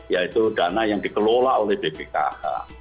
yaitu dana yang dikelola oleh bpkh